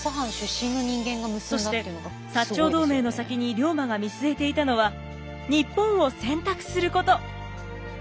そして長同盟の先に龍馬が見据えていたのは日本を洗濯すること。